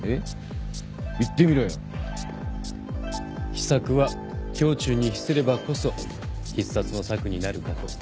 秘策は胸中に秘すればこそ必殺の策になるかと。